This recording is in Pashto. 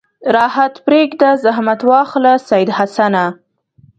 راحت پرېږده زحمت واخله سید حسنه.